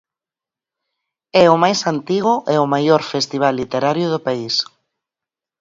É o máis antigo e o maior festival literario do país.